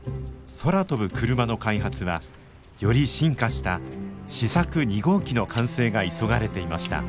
空飛ぶクルマの開発はより進化した試作２号機の完成が急がれていました。